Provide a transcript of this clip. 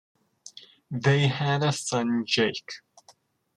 They had a son Jake.